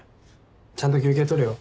ちゃんと休憩とれよ。